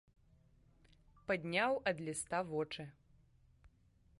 Падняў ад ліста вочы.